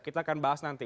kita akan bahas nanti